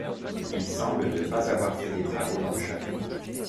Il semble ne pas avoir fait des travaux dans le château.